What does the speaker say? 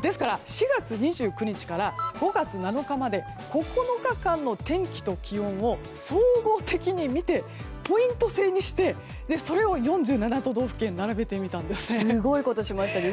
ですから４月２９日から５月７日までの９日間の天気と気温を総合的に見てポイント制にしてそれを４７都道府県ですごいことしましたね。